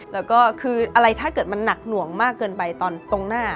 แล้วก็คืออะไรถ้าเกิดมันหนักหน่วงมากเกินไปตอนตรงหน้า